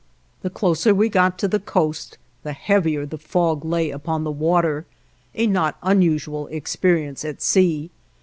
The closer we got to the coast the heavier the fog lay upon the water, a not unusual experience at sea.